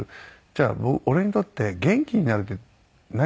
じゃあ俺にとって元気になるって何？